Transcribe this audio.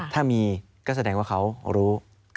ถ้ามีก็แสดงว่าเขารู้